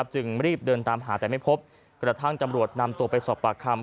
จึงรีบเดินตามหาแต่ไม่พบกระทั่งจำรวจนำตัวไปสอบปากคำ